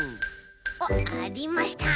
おっありました。